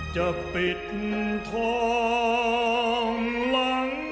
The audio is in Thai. จะปิดท้องล้าง